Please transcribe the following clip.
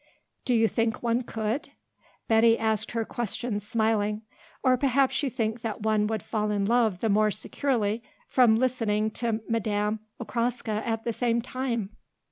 Do you think one could?" Betty asked her questions smiling. "Or perhaps you think that one would fall in love the more securely from listening to Madame Okraska at the same time.